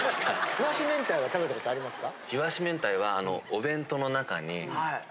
いわし明太は食べたことありますか？